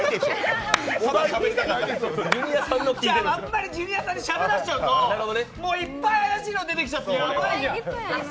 あんまりジュニアさんにしゃべらせちゃうと、いっぱい怪しいのが出てきちゃってヤバいじゃん。